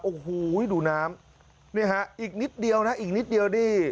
โอ้โหดูน้ำนี่ฮะอีกนิดเดียวนะอีกนิดเดียวนี่